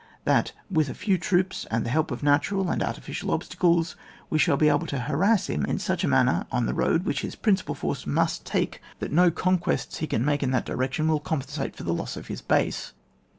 That with a few troops and the help of natural and artificial obstacles we shall be able to harass him in such a man ner on the road which his principal force must take, that no conquests he can make in that direction will compensate for the loss of his base.